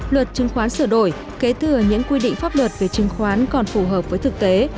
luật chứng khoán sửa đổi kể từ những quy định pháp luật về chứng khoán còn phù hợp với thực tế